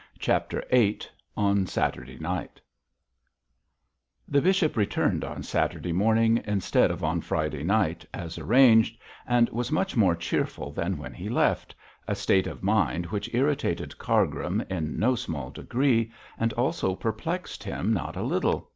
CHAPTER VIII ON SATURDAY NIGHT The bishop returned on Saturday morning instead of on Friday night as arranged, and was much more cheerful than when he left, a state of mind which irritated Cargrim in no small degree, and also perplexed him not a little.